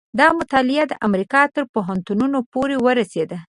دا مطالعه د امریکا تر پوهنتونونو پورې ورسېده.